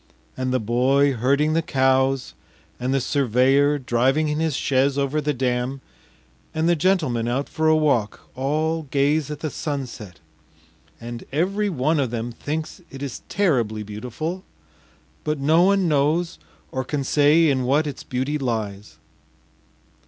And the boy herding the cows, and the surveyor driving in his chaise over the dam, and the gentleman out for a walk, all gaze at the sunset, and every one of them thinks it terribly beautiful, but no one knows or can say in what its beauty lies.